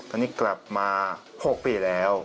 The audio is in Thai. ตอนนี้กลับมา๖ปีแล้ว